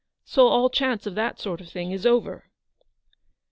So all chance of that sort of thing is over."